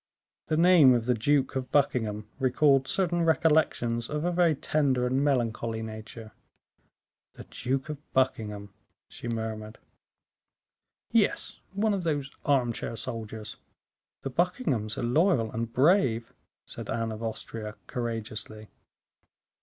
The name of the Duke of Buckingham recalled certain recollections of a very tender and melancholy nature. "The Duke of Buckingham?" she murmured. "Yes; one of those arm chair soldiers " "The Buckinghams are loyal and brave," said Anne of Austria, courageously.